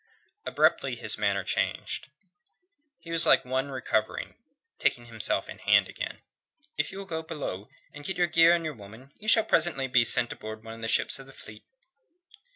Abruptly his manner changed. He was like one recovering, taking himself in hand again. "If you will go below, and get your gear and your woman, you shall presently be sent aboard one of the ships of the fleet."